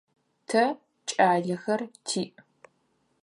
Тэ кӏалэхэр тиӏ.